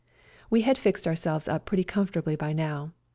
We had fixed ourselves up pretty com fortably by now.